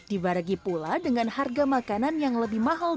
dibaragi pula dengan harga makanan yang lebih mahal